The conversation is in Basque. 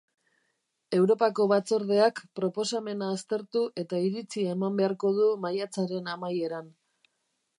Europako Batzordeak proposamena aztertu eta iritzia eman beharko du maiatzaren amaieran.